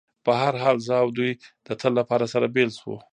په هر حال، زه او دوی د تل لپاره سره بېل شو.